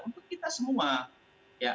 untuk kita semua